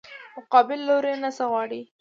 مقابل لوري نه څه غواړې؟